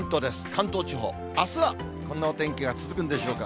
関東地方、あすはこんなお天気が続くんでしょうか。